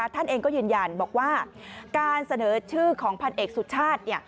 ท่านเองก็ยืนยันบอกว่าการเสนอชื่อของพันเอกสุชาติ